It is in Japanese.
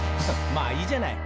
「まあいいじゃない」